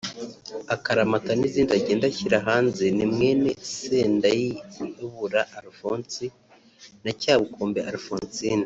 ‘Akaramata’ n’izindi agenda ashyira hanze ni mwene Sindayihebura Alphonse na Cyabukombe Alphonsine